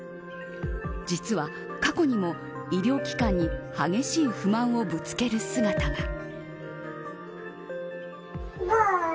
実は、過去にも医療機関に激しい不満をぶつける姿が。